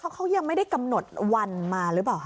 เขายังไม่ได้กำหนดวันมาหรือเปล่าครับ